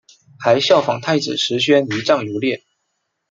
还仿效太子石宣仪仗游猎。